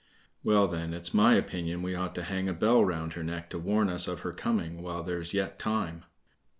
Well, then, it's my opinion we ought to hang a bell round her neck to warn us of her coming while there's yet time."